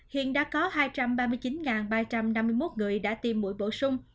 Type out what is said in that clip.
hiện đã có hai trăm ba mươi chín ba trăm năm mươi một người đã tiêm mũi bổ sung